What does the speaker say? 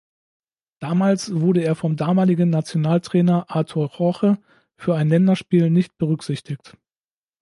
Damals wurde er vom damaligen Nationaltrainer Artur Jorge für ein Länderspiel nicht berücksichtigt.